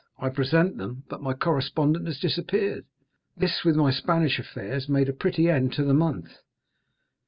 I present them; but my correspondent has disappeared. This, with my Spanish affairs, made a pretty end to the month."